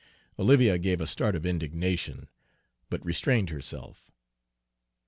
Olivia gave a start of indignation, but restrained herself.